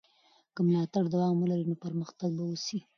که ملاتړ دوام ولري نو پرمختګ به وسي.